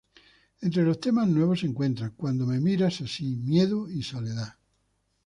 Entre los temas nuevos se encuentran "Cuando me miras así", "Miedo" y "Soledad".